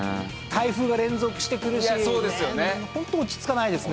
台風が連続して来るしホント落ち着かないですね。